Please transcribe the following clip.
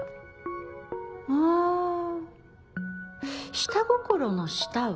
下心の「下」は。